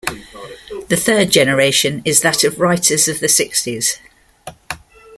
The third generation is that of writers of the sixties.